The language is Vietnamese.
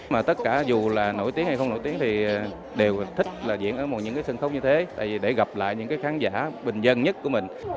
mà tất cả dù là nổi tiếng hay không nổi tiếng thì đều thích là diễn ở một những cái sân khấu như thế tại vì để gặp lại những cái khán giả bình dân nhất của mình